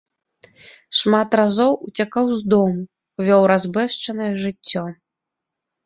Шмат разоў уцякаў з дому, вёў разбэшчанае жыццё.